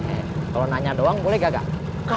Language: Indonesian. eh kalau nanya doang boleh nggak kak